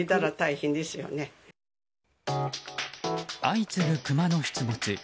相次ぐクマの出没。